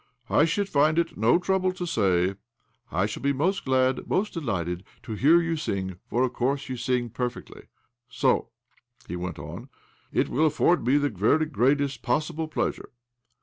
'' I should find it no trouble to say :' I shall be most glad, most delighted, to hear you sing, for of course you sing perfectly.* So," he went on, "' it will afford me the very greatest possible pleasure.'